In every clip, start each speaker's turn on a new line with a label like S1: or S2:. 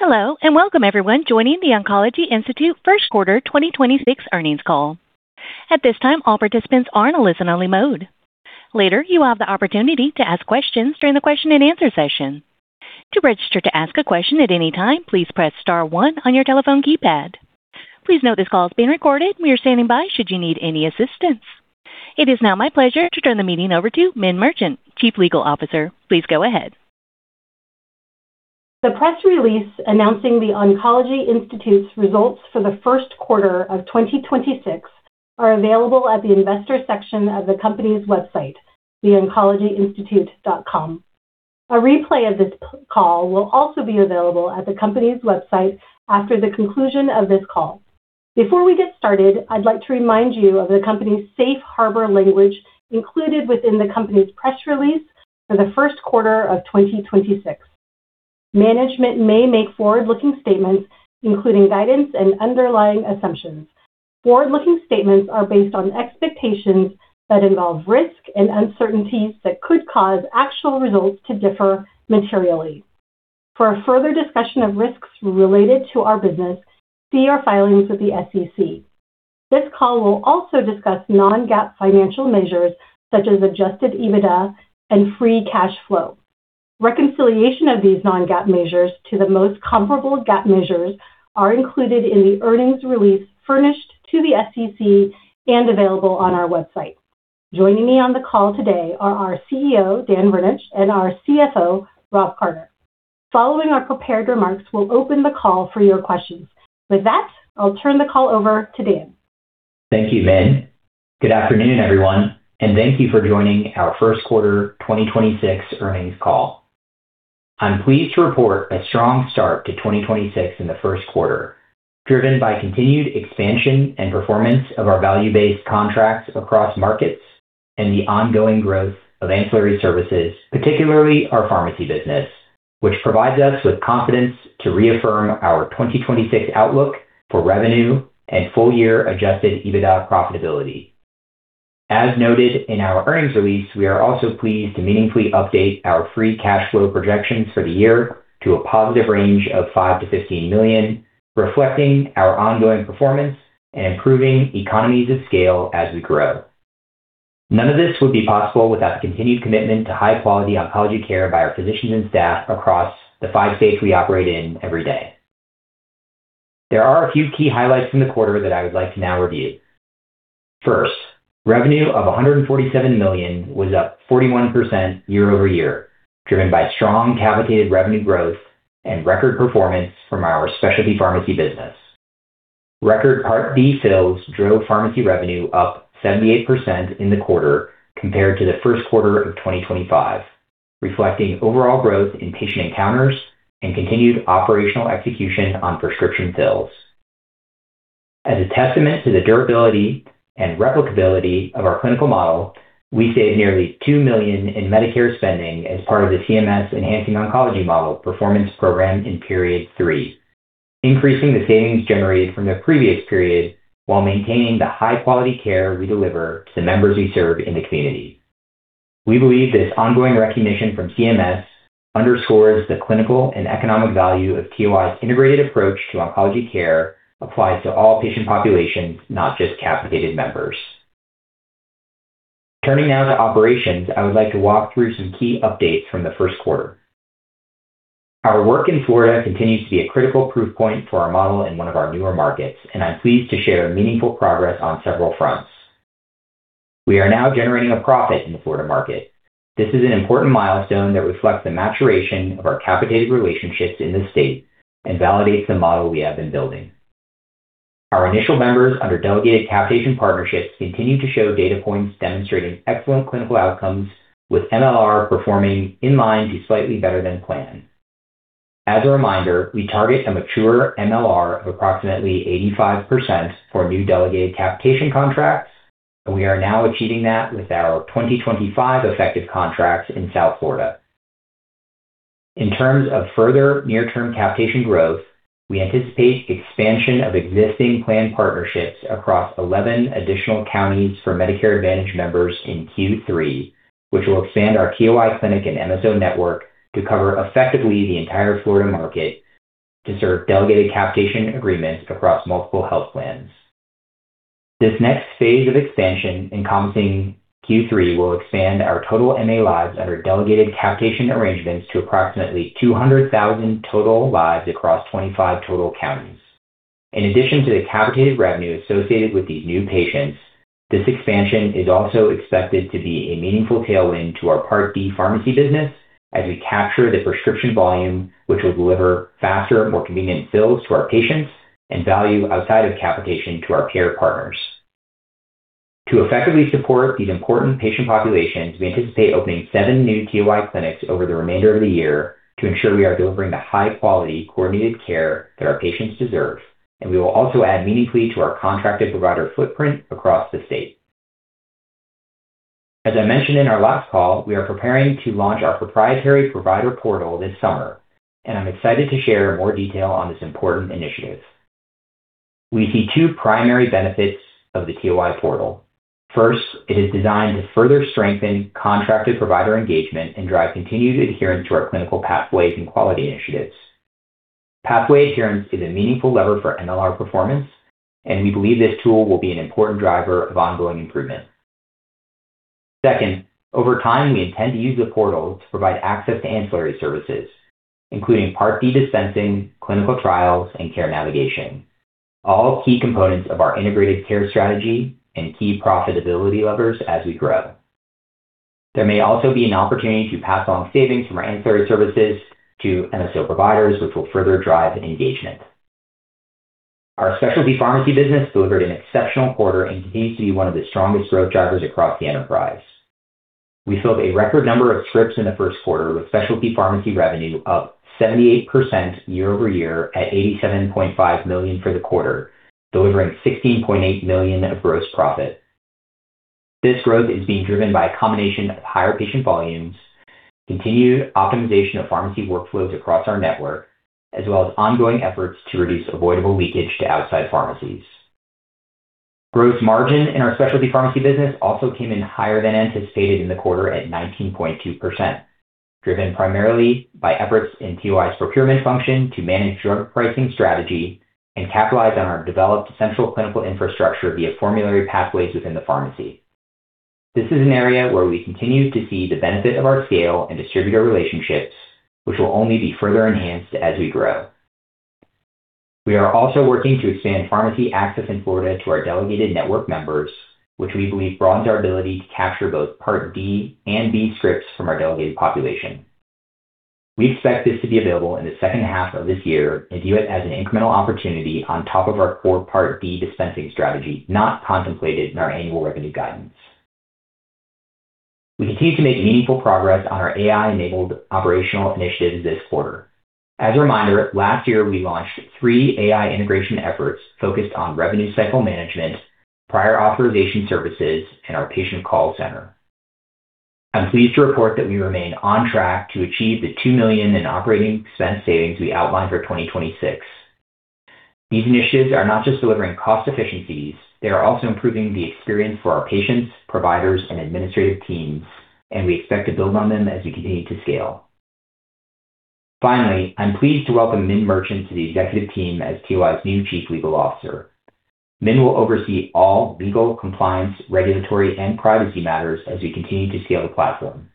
S1: Hello, and welcome everyone joining The Oncology Institute first quarter 2026 earnings call. It is now my pleasure to turn the meeting over to Minh Merchant, Chief Legal Officer. Please go ahead.
S2: The press release announcing The Oncology Institute's results for the first quarter of 2026 are available at the Investor section of the company's website, theoncologyinstitute.com. A replay of this call will also be available at the company's website after the conclusion of this call. Before we get started, I'd like to remind you of the company's safe harbor language included within the company's press release for the first quarter of 2026. Management may make forward-looking statements, including guidance and underlying assumptions. Forward-looking statements are based on expectations that involve risk and uncertainties that could cause actual results to differ materially. For a further discussion of risks related to our business, see our filings with the SEC. This call will also discuss non-GAAP financial measures, such as adjusted EBITDA and free cash flow. Reconciliation of these non-GAAP measures to the most comparable GAAP measures are included in the earnings release furnished to the SEC and available on our website. Joining me on the call today are our CEO, Dan Virnich, and our CFO, Rob Carter. Following our prepared remarks, we'll open the call for your questions. With that, I'll turn the call over to Dan.
S3: Thank you, Minh. Good afternoon, everyone, and thank you for joining our first quarter 2026 earnings call. I'm pleased to report a strong start to 2026 in the first quarter, driven by continued expansion and performance of our value-based contracts across markets and the ongoing growth of ancillary services, particularly our pharmacy business, which provides us with confidence to reaffirm our 2026 outlook for revenue and full year adjusted EBITDA profitability. As noted in our earnings release, we are also pleased to meaningfully update our free cash flow projections for the year to a positive range of $5 million-$15 million, reflecting our ongoing performance and improving economies of scale as we grow. None of this would be possible without the continued commitment to high-quality oncology care by our physicians and staff across the five states we operate in every day. There are a few key highlights from the quarter that I would like to now review. First, revenue of $147 million was up 41% year-over-year, driven by strong capitated revenue growth and record performance from our specialty pharmacy business. Record Part D fills drove pharmacy revenue up 78% in the quarter compared to the first quarter of 2025, reflecting overall growth in patient encounters and continued operational execution on prescription fills. As a testament to the durability and replicability of our clinical model, we saved nearly $2 million in Medicare spending as part of the CMS Enhancing Oncology Model performance program in period 3, increasing the savings generated from the previous period while maintaining the high quality care we deliver to the members we serve in the community. We believe this ongoing recognition from CMS underscores the clinical and economic value of TOI's integrated approach to oncology care applies to all patient populations, not just capitated members. Turning now to operations, I would like to walk through some key updates from the first quarter. Our work in Florida continues to be a critical proof point for our model in one of our newer markets, and I'm pleased to share meaningful progress on several fronts. We are now generating a profit in the Florida market. This is an important milestone that reflects the maturation of our capitated relationships in the state and validates the model we have been building. Our initial members under delegated capitation partnerships continue to show data points demonstrating excellent clinical outcomes, with MLR performing in line to slightly better than plan. As a reminder, we target a mature MLR of approximately 85% for new delegated capitation contracts, and we are now achieving that with our 2025 effective contracts in South Florida. In terms of further near-term capitation growth, we anticipate expansion of existing plan partnerships across 11 additional counties for Medicare Advantage members in Q3, which will expand our TOI clinic and MSO network to cover effectively the entire Florida market to serve delegated capitation agreements across multiple health plans. This next phase of expansion encompassing Q3 will expand our total MA lives under delegated capitation arrangements to approximately 200,000 total lives across 25 total counties. In addition to the capitated revenue associated with these new patients, this expansion is also expected to be a meaningful tailwind to our Part D pharmacy business as we capture the prescription volume, which will deliver faster, more convenient fills to our patients and value outside of capitation to our care partners. To effectively support these important patient populations, we anticipate opening seven new TOI clinics over the remainder of the year to ensure we are delivering the high-quality coordinated care that our patients deserve. We will also add meaningfully to our contracted provider footprint across the state. As I mentioned in our last call, we are preparing to launch our proprietary provider portal this summer, and I'm excited to share more detail on this important initiative. We see two primary benefits of the TOI portal. First, it is designed to further strengthen contracted provider engagement and drive continued adherence to our clinical pathways and quality initiatives. Pathway adherence is a meaningful lever for MLR performance, and we believe this tool will be an important driver of ongoing improvement. Second, over time, we intend to use the portal to provide access to ancillary services, including Part D dispensing, clinical trials, and care navigation. All key components of our integrated care strategy and key profitability levers as we grow. There may also be an opportunity to pass on savings from our ancillary services to MSO providers, which will further drive engagement. Our specialty pharmacy business delivered an exceptional quarter and continues to be one of the strongest growth drivers across the enterprise. We filled a record number of scripts in the first quarter, with specialty pharmacy revenue up 78% year-over-year at $87.5 million for the quarter, delivering $16.8 million of gross profit. This growth is being driven by a combination of higher patient volumes, continued optimization of pharmacy workflows across our network, as well as ongoing efforts to reduce avoidable leakage to outside pharmacies. Gross margin in our specialty pharmacy business also came in higher than anticipated in the quarter at 19.2%, driven primarily by efforts in TOI's procurement function to manage drug pricing strategy and capitalize on our developed central clinical infrastructure via formulary pathways within the pharmacy. This is an area where we continue to see the benefit of our scale and distributor relationships, which will only be further enhanced as we grow. We are also working to expand pharmacy access in Florida to our delegated network members, which we believe broadens our ability to capture both Part D and B scripts from our delegated population. We expect this to be available in the second half of this year and view it as an incremental opportunity on top of our core Part D dispensing strategy, not contemplated in our annual revenue guidance. We continue to make meaningful progress on our AI-enabled operational initiatives this quarter. As a reminder, last year, we launched three AI integration efforts focused on revenue cycle management, prior-authorization services, and our patient call center. I'm pleased to report that we remain on track to achieve the $2 million in operating expense savings we outlined for 2026. These initiatives are not just delivering cost efficiencies, they are also improving the experience for our patients, providers, and administrative teams. We expect to build on them as we continue to scale. Finally, I'm pleased to welcome Minh Merchant to the executive team as TOI's new Chief Legal Officer. Minh will oversee all legal, compliance, regulatory, and privacy matters as we continue to scale the platform.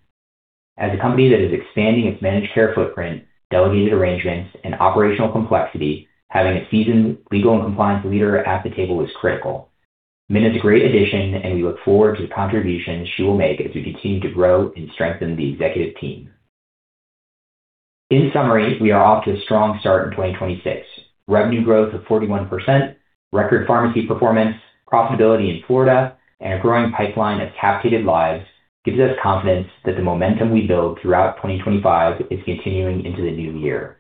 S3: As a company that is expanding its managed care footprint, delegated arrangements, and operational complexity, having a seasoned legal and compliance leader at the table is critical. Minh is a great addition, and we look forward to the contributions she will make as we continue to grow and strengthen the executive team. In summary, we are off to a strong start in 2026. Revenue growth of 41%, record pharmacy performance, profitability in Florida, and a growing pipeline of capitated lives gives us confidence that the momentum we built throughout 2025 is continuing into the new year.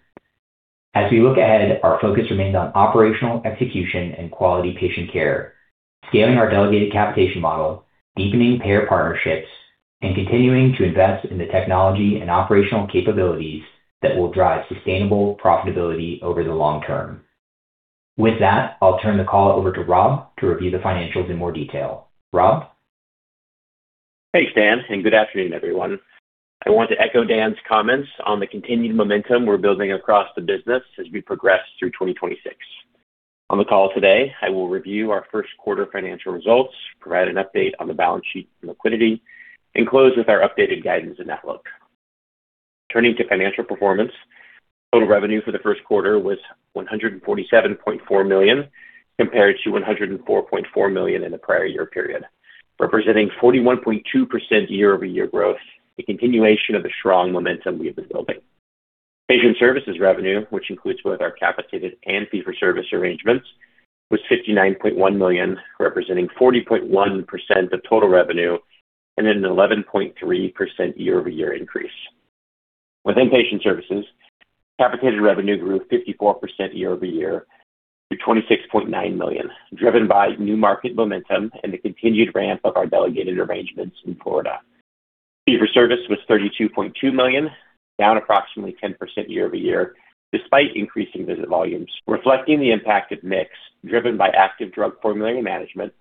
S3: As we look ahead, our focus remains on operational execution and quality patient care, scaling our delegated capitation model, deepening payer partnerships, and continuing to invest in the technology and operational capabilities that will drive sustainable profitability over the long term. With that, I'll turn the call over to Rob to review the financials in more detail. Rob?
S4: Hey, Dan. Good afternoon, everyone. I want to echo Dan's comments on the continued momentum we're building across the business as we progress through 2026. On the call today, I will review our first quarter financial results, provide an update on the balance sheet and liquidity, and close with our updated guidance and outlook. Turning to financial performance, total revenue for the first quarter was $147.4 million compared to $104.4 million in the prior-year period, representing 41.2% year-over-year growth, a continuation of the strong momentum we have been building. Patient services revenue, which includes both our capitated and fee-for-service arrangements, was $59.1 million, representing 40.1% of total revenue and an 11.3% year-over-year increase. Within patient services, capitated revenue grew 54% year-over-year to $26.9 million, driven by new market momentum and the continued ramp of our delegated arrangements in Florida. Fee for service was $32.2 million. Down approximately 10% year-over-year, despite increasing visit volumes, reflecting the impact of mix driven by active drug formulary management,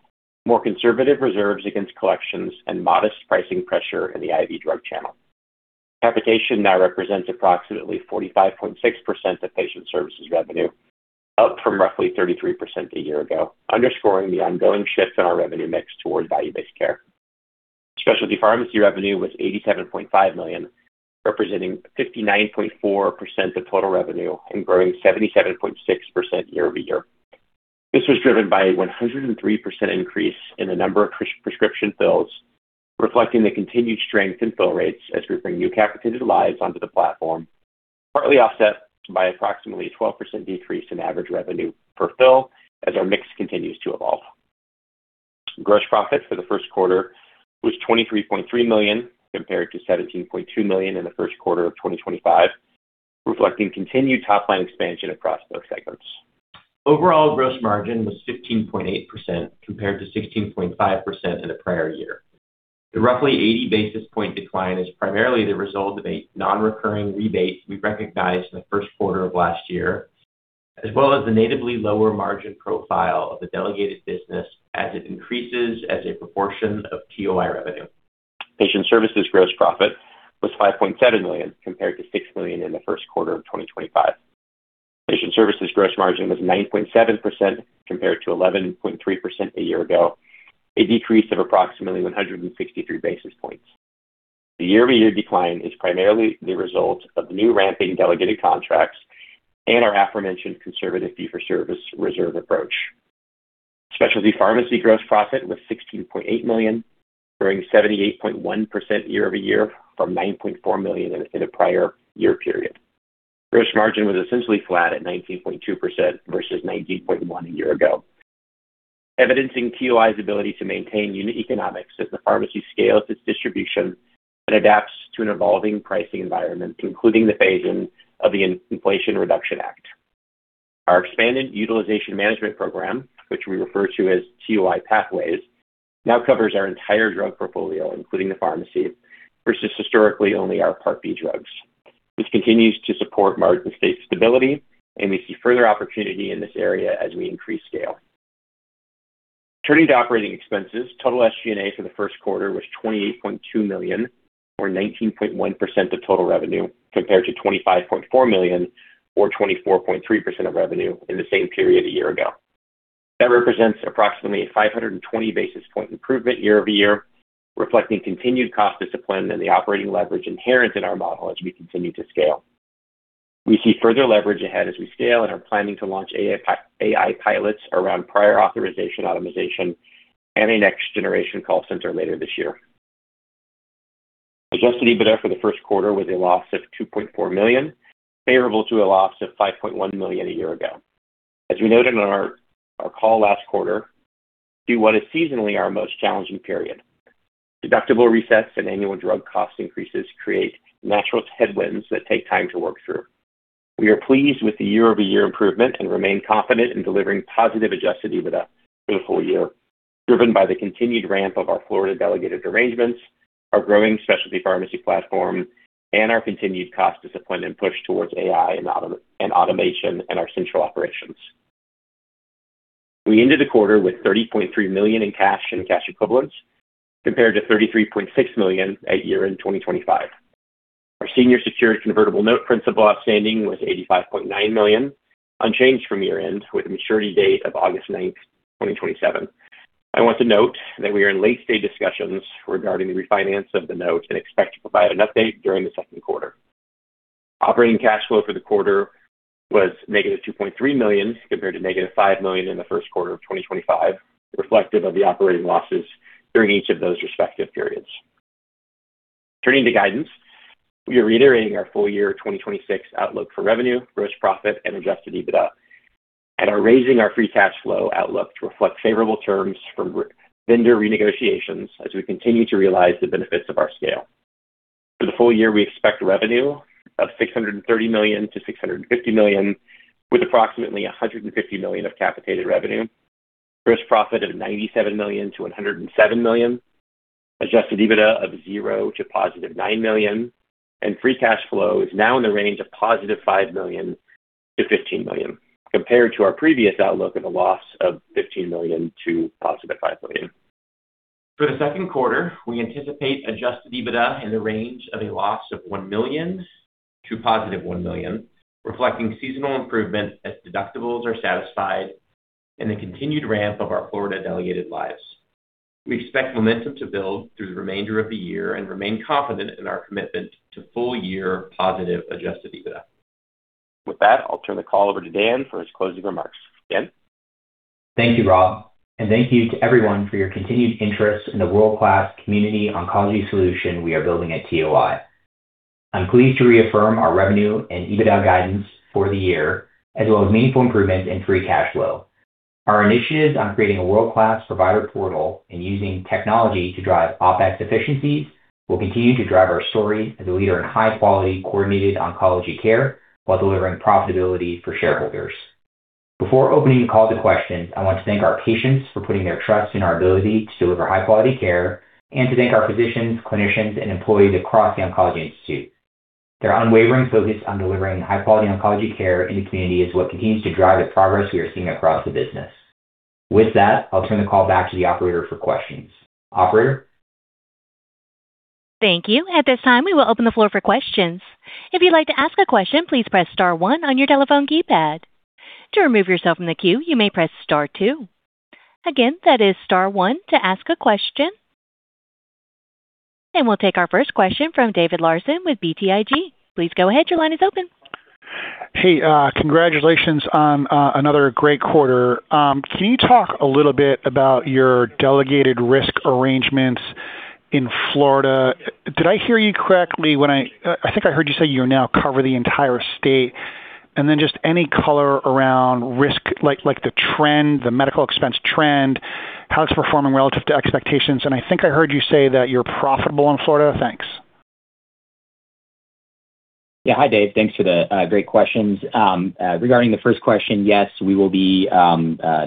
S4: more conservative reserves against collections, and modest pricing pressure in the IV drug channel. Capitation now represents approximately 45.6% of patient services revenue, up from roughly 33% a year ago, underscoring the ongoing shift in our revenue mix toward value-based care. Specialty pharmacy revenue was $87.5 million, representing 59.4% of total revenue and growing 77.6% year-over-year. This was driven by a 103% increase in the number of prescription fills, reflecting the continued strength in fill rates as we bring new capitated lives onto the platform, partly offset by approximately 12% decrease in average revenue per fill as our mix continues to evolve. Gross profit for the first quarter was $23.3 million, compared to $17.2 million in the first quarter of 2025, reflecting continued top line expansion across both segments. Overall gross margin was 15.8%, compared to 16.5% in the prior year. The roughly 80 basis point decline is primarily the result of a non-recurring rebate we recognized in the first quarter of last year, as well as the natively lower margin profile of the delegated business as it increases as a proportion of TOI revenue. Patient services gross profit was $5.7 million, compared to $6 million in the first quarter of 2025. Patient services gross margin was 9.7% compared to 11.3% a year ago, a decrease of approximately 163 basis points. The year-over-year decline is primarily the result of new ramping delegated contracts and our aforementioned conservative fee-for-service reserve approach. Specialty pharmacy gross profit was $16.8 million, growing 78.1% year-over-year from $9.4 million in the prior-year period. Gross margin was essentially flat at 19.2% versus 19.1% a year ago, evidencing TOI's ability to maintain unit economics as the pharmacy scales its distribution and adapts to an evolving pricing environment, including the phase-in of the Inflation Reduction Act. Our expanded utilization management program, which we refer to as TOI Pathways, now covers our entire drug portfolio, including the pharmacy, versus historically only our Part B drugs. This continues to support margin state stability, and we see further opportunity in this area as we increase scale. Turning to operating expenses, total SG&A for the first quarter was $28.2 million, or 19.1% of total revenue, compared to $25.4 million or 24.3% of revenue in the same period a year ago. That represents approximately a 520 basis point improvement year-over-year, reflecting continued cost discipline and the operating leverage inherent in our model as we continue to scale. We see further leverage ahead as we scale and are planning to launch AI pilots around prior-authorization automation and a next-generation call center later this year. Adjusted EBITDA for the first quarter was a loss of $2.4 million, favorable to a loss of $5.1 million a year ago. As we noted on our call last quarter, Q1 is seasonally our most challenging period. Deductible resets and annual drug cost increases create natural headwinds that take time to work through. We are pleased with the year-over-year improvement and remain confident in delivering positive adjusted EBITDA for the full year, driven by the continued ramp of our Florida delegated arrangements, our growing specialty pharmacy platform, and our continued cost discipline and push towards AI and automation in our central operations. We ended the quarter with $30.3 million in cash and cash equivalents, compared to $33.6 million at year-end 2025. Our senior secured convertible note principal outstanding was $85.9 million, unchanged from year-end, with a maturity date of August 9th, 2027. I want to note that we are in late-stage discussions regarding the refinance of the note and expect to provide an update during the second quarter. Operating cash flow for the quarter was -$2.3 million, compared to -$5 million in the first quarter of 2025, reflective of the operating losses during each of those respective periods. Turning to guidance, we are reiterating our full-year 2026 outlook for revenue, gross profit, and adjusted EBITDA, and are raising our free cash flow outlook to reflect favorable terms from vendor renegotiations as we continue to realize the benefits of our scale. For the full year, we expect revenue of $630 million-$650 million, with approximately $150 million of capitated revenue. Gross profit of $97 million-$107 million. Adjusted EBITDA of $0 to +$9 million. Free cash flow is now in the range of +$5 million to $15 million, compared to our previous outlook of a loss of $15 million to +$5 million. For the second quarter, we anticipate adjusted EBITDA in the range of a loss of $1 million to +$1 million, reflecting seasonal improvement as deductibles are satisfied and the continued ramp of our Florida delegated lives. We expect momentum to build through the remainder of the year and remain confident in our commitment to full-year positive adjusted EBITDA. With that, I'll turn the call over to Dan for his closing remarks. Dan.
S3: Thank you, Rob. Thank you to everyone for your continued interest in the world-class community oncology solution we are building at TOI. I'm pleased to reaffirm our revenue and EBITDA guidance for the year, as well as meaningful improvements in free cash flow. Our initiatives on creating a world-class provider portal and using technology to drive OpEx efficiencies will continue to drive our story as a leader in high-quality coordinated oncology care while delivering profitability for shareholders. Before opening the call to questions, I want to thank our patients for putting their trust in our ability to deliver high-quality care and to thank our physicians, clinicians, and employees across The Oncology Institute. Their unwavering focus on delivering high-quality oncology care in the community is what continues to drive the progress we are seeing across the business. With that, I'll turn the call back to the operator for questions. Operator?
S1: Thank you. At this time, we will open the floor for questions. If you'd like to ask a question, please press star one on your telephone keypad. To remove yourself from the queue, you may press star one. Again, that is star one to ask a question. We'll take our first question from David Larsen with BTIG. Please go ahead. Your line is open.
S5: Hey, congratulations on another great quarter. Can you talk a little bit about your delegated risk arrangements in Florida? Did I hear you correctly when I think I heard you say you now cover the entire state. Then just any color around risk, like the trend, the medical expense trend, how it's performing relative to expectations? I think I heard you say that you're profitable in Florida. Thanks.
S3: Hi, Dave. Thanks for the great questions. Regarding the first question, yes, we will be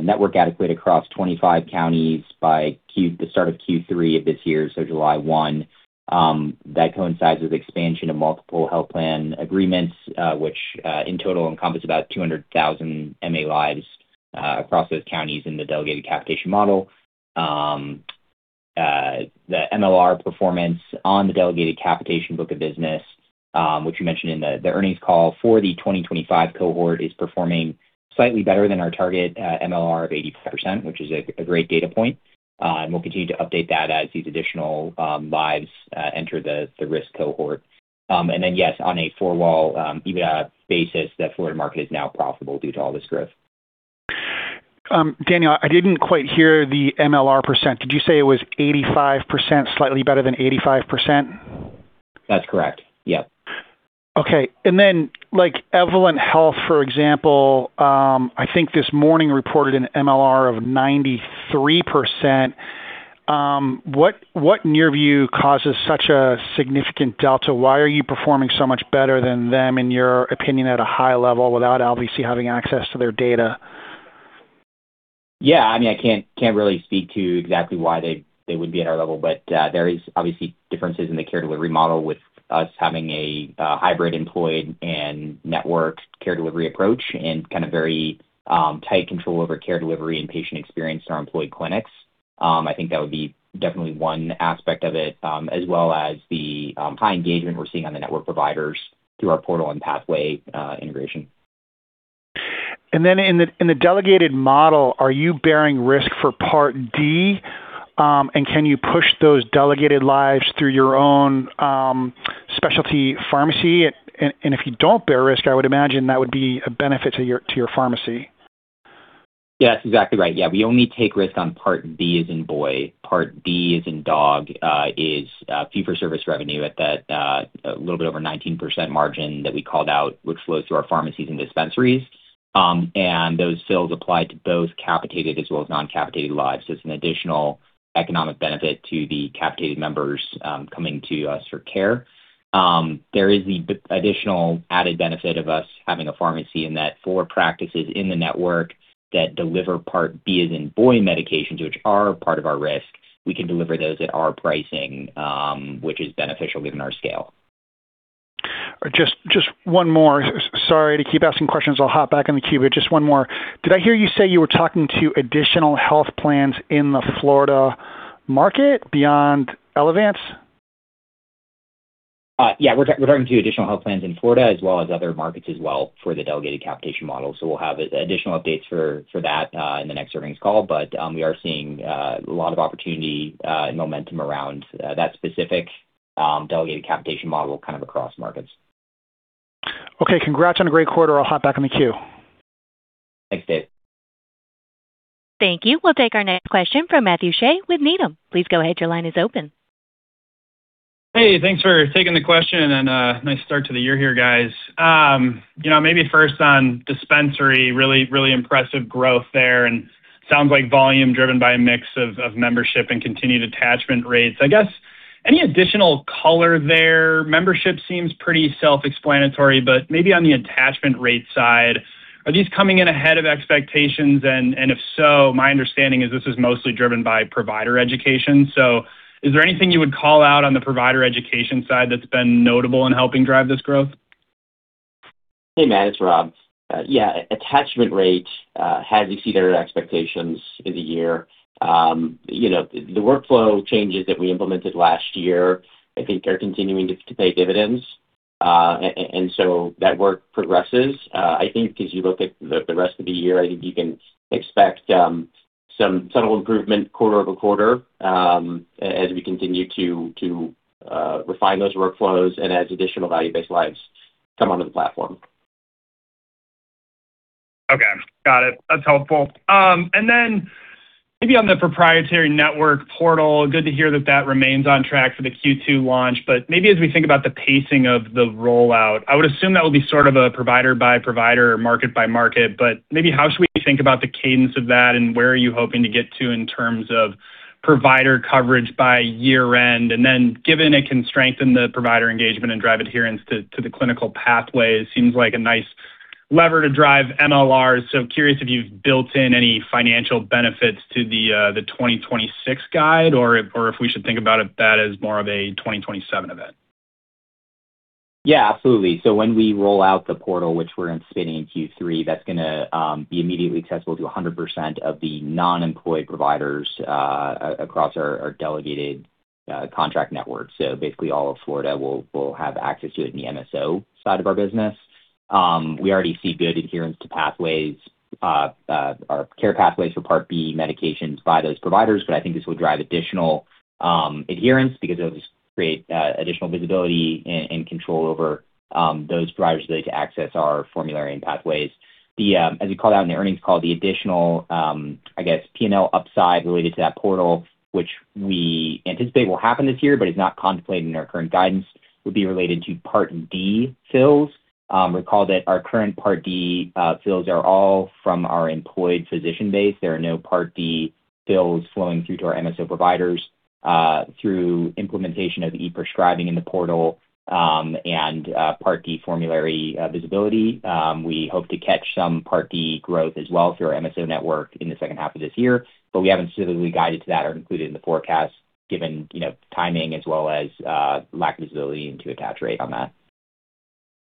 S3: network adequate across 25 counties by the start of Q3 of this year, so July 1. That coincides with expansion of multiple health plan agreements, which in total encompass about 200,000 MA lives across those counties in the delegated capitation model. The MLR performance on the delegated capitation book of business, which you mentioned in the earnings call for the 2025 cohort is performing slightly better than our target MLR of 85%, which is a great data point. We'll continue to update that as these additional lives enter the risk cohort. Yes, on a four-wall EBITDA basis that Florida market is now profitable due to all this growth.
S5: Daniel, I didn't quite hear the MLR percent. Did you say it was 85%? Slightly better than 85%?
S3: That's correct. Yep.
S5: Okay. Then, like, Evolent Health, for example, I think this morning reported an MLR of 93%. What, in your view, causes such a significant delta? Why are you performing so much better than them, in your opinion at a high level, without obviously having access to their data?
S3: Yeah. I mean, I can't really speak to exactly why they would be at our level. There is obviously differences in the care delivery model with us having a hybrid employed and network care delivery approach and kind of very tight control over care delivery and patient experience in our employed clinics. I think that would be definitely one aspect of it, as well as the high engagement we're seeing on the network providers through our portal and pathway integration.
S5: In the delegated model, are you bearing risk for Part D? Can you push those delegated lives through your own specialty pharmacy? If you don't bear risk, I would imagine that would be a benefit to your pharmacy.
S3: Yes, exactly right. We only take risk on Part B, as in boy. Part D, as in dog, is fee-for-service revenue at that little bit over 19% margin that we called out, which flows through our pharmacies and dispensaries. Those sales apply to both capitated as well as non-capitated lives. It's an additional economic benefit to the capitated members coming to us for care. There is the additional added benefit of us having a pharmacy in that four practices in the network that deliver Part B, as in boy, medications which are part of our risk. We can deliver those at our pricing, which is beneficial given our scale.
S5: Just one more. Sorry to keep asking questions. I'll hop back on the queue, but just one more. Did I hear you say you were talking to additional health plans in the Florida market beyond Elevance?
S3: Yeah. We're talking to additional health plans in Florida as well as other markets as well for the delegated capitation model. We'll have additional updates for that in the next earnings call. We are seeing a lot of opportunity and momentum around that specific delegated capitation model kind of across markets.
S5: Okay. Congrats on a great quarter. I'll hop back on the queue.
S3: Thanks, Dave.
S1: Thank you. We'll take our next question from Matthew Shea with Needham. Please go ahead. Your line is open.
S6: Hey, thanks for taking the question and nice start to the year here, guys. You know, maybe first on dispensary. Really impressive growth there and sounds like volume driven by a mix of membership and continued attachment rates. I guess, any additional color there? Membership seems pretty self-explanatory. Maybe on the attachment rate side, are these coming in ahead of expectations? If so, my understanding is this is mostly driven by provider education. Is there anything you would call out on the provider education side that's been notable in helping drive this growth?
S4: Hey, Matt, it's Rob. Yeah, attachment rate has exceeded our expectations in the year. You know, the workflow changes that we implemented last year, I think are continuing to pay dividends. That work progresses. I think as you look at the rest of the year, I think you can expect some subtle improvement quarter-over-quarter as we continue to refine those workflows and as additional value-based lives come onto the platform.
S6: Okay. Got it. That's helpful. Maybe on the proprietary network portal, good to hear that that remains on track for the Q2 launch. As we think about the pacing of the rollout, I would assume that would be sort of a provider by provider, market by market. How should we think about the cadence of that, and where are you hoping to get to in terms of provider coverage by year end? Given it can strengthen the provider engagement and drive adherence to the clinical pathway, it seems like a nice lever to drive MLR. Curious if you've built in any financial benefits to the 2026 guide, or if we should think about it that as more of a 2027 event.
S3: Yeah, absolutely. When we roll out the portal, which we're anticipating in Q3, that's going to be immediately accessible to 100% of the non-employed providers across our delegated contract network. Basically, all of Florida will have access to it in the MSO side of our business. We already see good adherence to pathways. Our care pathways for Part B medications by those providers, but I think this will drive additional adherence because it will just create additional visibility and control over those providers' ability to access our formulary and pathways. As you called out in the earnings call, the additional, I guess, P&L upside related to that portal, which we anticipate will happen this year, but is not contemplated in our current guidance, would be related to Part D fills. Recall that our current Part D fills are all from our employed physician base. There are no Part D fills flowing through to our MSO providers. Through implementation of e-prescribing in the portal, and Part D formulary visibility. We hope to catch some Part D growth as well through our MSO network in the second half of this year. We haven't specifically guided to that or included in the forecast given, you know, timing as well as lack of visibility into attach rate on that.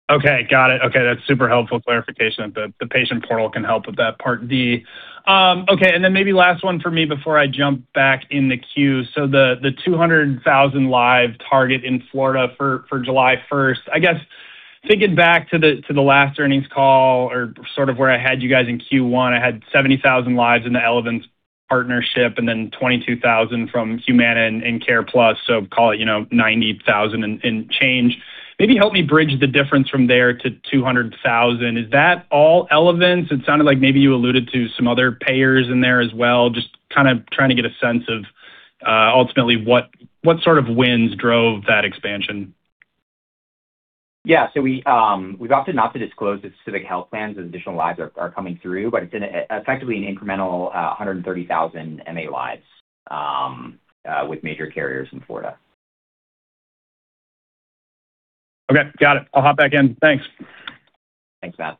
S6: Got it. That's super helpful clarification that the patient portal can help with that Part D. Maybe last one for me before I jump back in the queue. The 200,000 live target in Florida for July 1st, I guess thinking back to the last earnings call or sort of where I had you guys in Q1. I had 70,000 lives in the Elevance partnership and then 22,000 from Humana and CarePlus, so call it, you know, 90,000 lives and change. Maybe help me bridge the difference from there to 200,000 lives. Is that all Elevance? It sounded like maybe you alluded to some other payers in there as well. Just kinda trying to get a sense of, ultimately, what sort of wins drove that expansion?
S3: Yeah. We've opted not to disclose the specific health plans as additional lives are coming through, but it's effectively an incremental 130,000 MA lives with major carriers in Florida.
S6: Okay. Got it. I'll hop back in. Thanks.
S3: Thanks, Matt.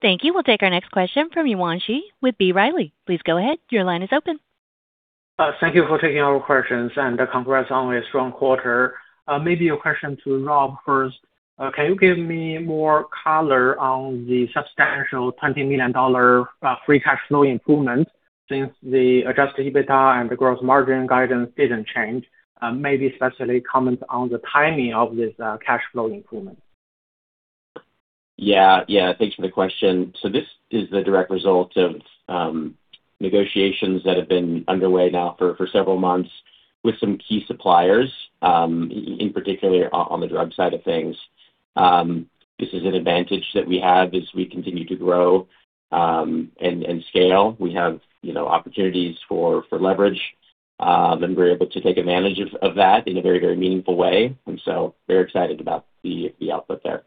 S1: Thank you. We'll take our next question from Yuan Zhi with B. Riley. Please go ahead.
S7: Thank you for taking our questions. Congrats on a strong quarter. Maybe a question to Rob first. Can you give me more color on the substantial $20 million free cash flow improvement since the adjusted EBITDA and the gross margin guidance didn't change? Maybe especially comment on the timing of this cash flow improvement.
S4: Yeah. Yeah. Thanks for the question. This is the direct result of negotiations that have been underway now for several months with some key suppliers, in particular on the drug side of things. This is an advantage that we have as we continue to grow and scale. We have, you know, opportunities for leverage. We're able to take advantage of that in a very meaningful way, very excited about the output there.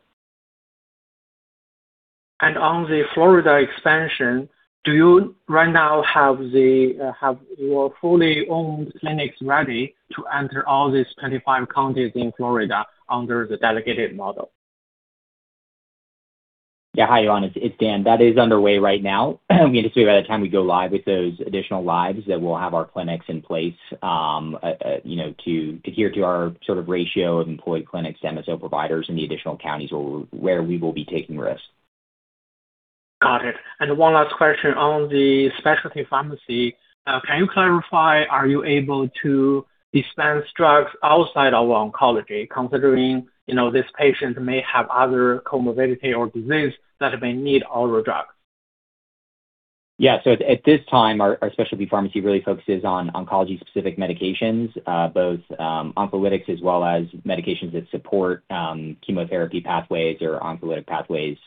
S7: On the Florida expansion, do you right now have the have your fully owned clinics ready to enter all these 25 counties in Florida under the delegated model?
S3: Yeah. Hi, Yuan. It's Dan. That is underway right now. We estimate by the time we go live with those additional lives that we'll have our clinics in place, you know, to adhere to our sort of ratio of employed clinics, MSO providers in the additional counties where we will be taking risks.
S7: Got it. One last question on the specialty pharmacy. Can you clarify, are you able to dispense drugs outside of oncology, considering, you know, this patient may have other comorbidity or disease that may need other drugs?
S3: Yeah. At this time, our specialty pharmacy really focuses on oncology-specific medications, both oncolytics as well as medications that support chemotherapy pathways or oncolytic pathways,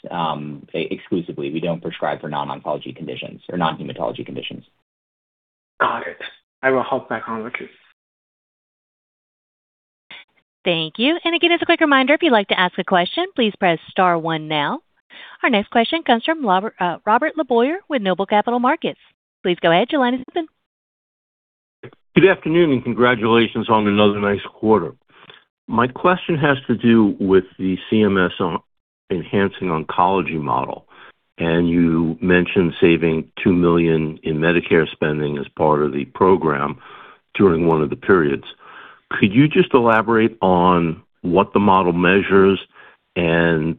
S3: exclusively. We don't prescribe for non-oncology conditions or non-hematology conditions.
S7: Got it. I will hop back on the queue.
S1: Thank you. Again, as a quick reminder if you'd like to ask a question, please press star one now. Our next question comes from Robert LeBoyer with NOBLE Capital Markets. Please go ahead. Your line is open.
S8: Good afternoon, and congratulations on another nice quarter. My question has to do with the CMS Enhancing Oncology Model. You mentioned saving 2 million in Medicare spending as part of the program during one of the periods. Could you just elaborate on what the model measures and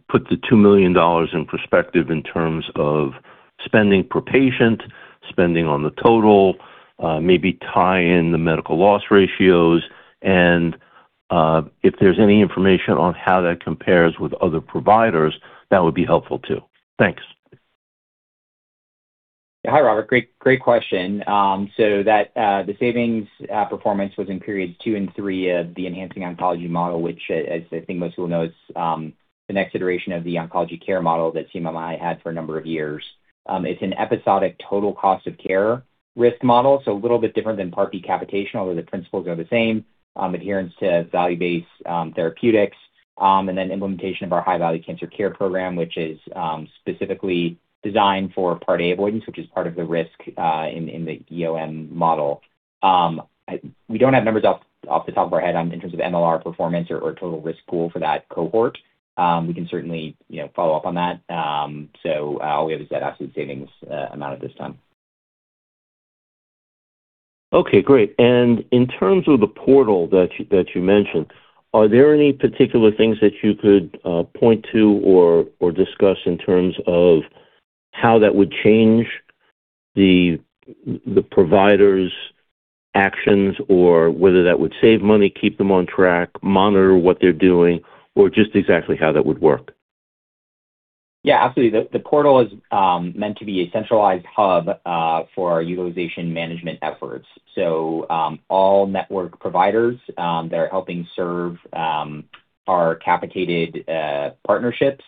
S8: put the $2 million in perspective in terms of spending per patient, spending on the total? Maybe tie in the medical loss ratios. If there's any information on how that compares with other providers, that would be helpful too. Thanks.
S3: Hi, Robert. Great question. The savings performance was in periods 2 and 3 of the Enhancing Oncology Model, which, as I think most people know, is the next iteration of the Oncology Care Model that CMMI had for a number of years. It's an episodic total cost of care risk model. A little bit different than Part D capitation, although the principles are the same, adherence to value-based therapeutics, and then implementation of our High-Value Cancer Care Program, which is specifically designed for Part A avoidance, which is part of the risk in the EOM Model. We don't have numbers off the top of our head in terms of MLR performance or total risk pool for that cohort. We can certainly, you know, follow up on that. All we have is that absolute savings amount at this time.
S8: Okay, great. In terms of the portal that you mentioned, are there any particular things that you could point to or discuss in terms of how that would change the provider's actions or whether that would save money, keep them on track, monitor what they're doing, or just exactly how that would work?
S3: Yeah, absolutely. The portal is meant to be a centralized hub for our utilization management efforts. All network providers that are helping serve our capitated partnerships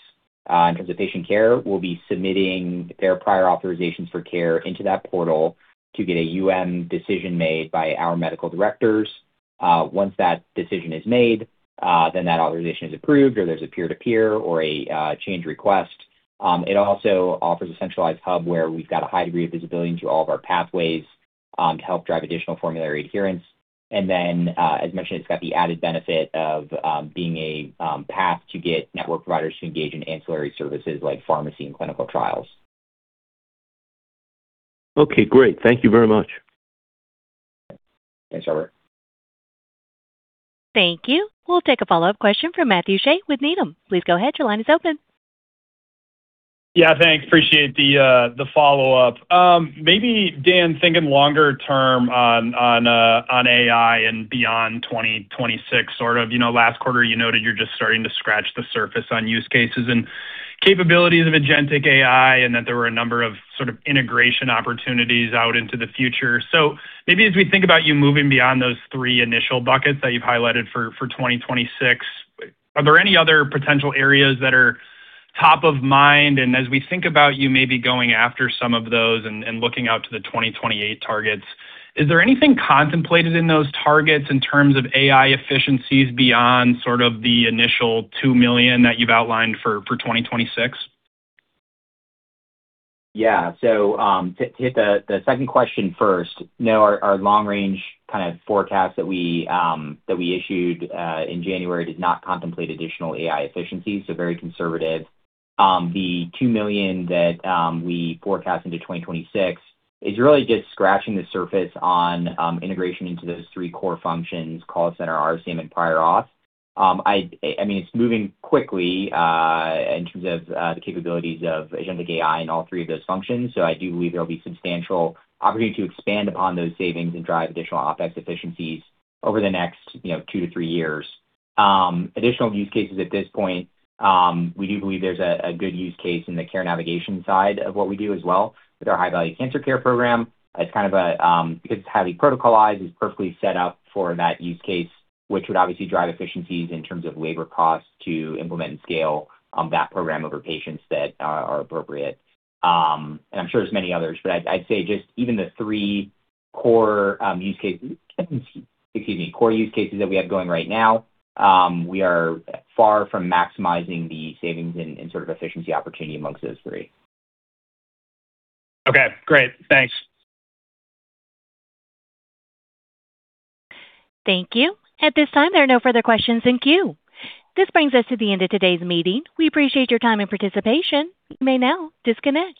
S3: in terms of patient care will be submitting their prior-authorizations for care into that portal to get a UM decision made by our medical directors. Once that decision is made. That authorization is approved, or there's a peer-to-peer, or a change request. It also offers a centralized hub where we've got a high degree of visibility into all of our pathways to help drive additional formulary adherence. As mentioned, it's got the added benefit of being a path to get network providers to engage in ancillary services like pharmacy and clinical trials.
S8: Okay, great. Thank you very much.
S3: Thanks, Robert.
S1: Thank you. We'll take a follow-up question from Matthew Shea with Needham. Please go ahead.
S6: Yeah. Thanks. Appreciate the follow-up. Maybe Dan, thinking longer term on AI and beyond 2026, sort of, you know, last quarter you noted you're just starting to scratch the surface on use cases and capabilities of agentic AI. That there were a number of sort of integration opportunities out into the future. Maybe as we think about you moving beyond those three initial buckets that you've highlighted for 2026, are there any other potential areas that are top of mind? As we think about you maybe going after some of those and looking out to the 2028 targets, is there anything contemplated in those targets in terms of AI efficiencies beyond sort of the initial $2 million that you've outlined for 2026?
S3: Yeah. To hit the second question first, no, our long-range kind of forecast that we issued in January did not contemplate additional AI efficiencies, so very conservative. The $2 million that we forecast into 2026 is really just scratching the surface on integration into those three core functions: call center, RCM, and prior-auth. I mean, it's moving quickly in terms of the capabilities of agentic AI in all three of those functions, so I do believe there will be substantial opportunity to expand upon those savings and drive additional OpEx efficiencies over the next, you know, two years to three years. Additional use cases at this point, we do believe there's a good use case in the care navigation side of what we do as well with our High-Value Cancer Care Program. It's kind of a, because it's highly protocolized, it's perfectly set up for that use case, which would obviously drive efficiencies in terms of labor costs to implement and scale that program over patients that are appropriate. I'm sure there's many others, but I'd say just even the three core use cases that we have going right now, we are far from maximizing the savings and sort of efficiency opportunity amongst those three.
S6: Okay, great. Thanks.
S1: Thank you. At this time, there are no further questions in queue. This brings us to the end of today's meeting. We appreciate your time and participation. You may now disconnect.